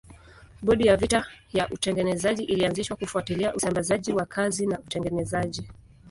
Bodi ya vita ya utengenezaji ilianzishwa kufuatilia usambazaji wa kazi na utengenezaji.